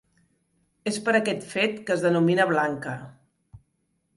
És per aquest fet que es denomina blanca.